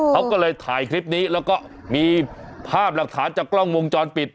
เขาก็เลยถ่ายคลิปนี้แล้วก็มีภาพหลักฐานจากกล้องวงจรปิด